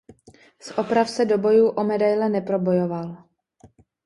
Z oprav se do bojů o medaile neprobojoval.